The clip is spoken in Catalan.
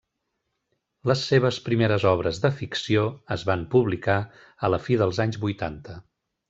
Les seves primeres obres de ficció es van publicar a la fi dels anys vuitanta.